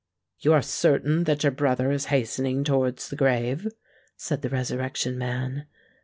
"You are certain that your brother is hastening towards the grave?" said the Resurrection Man.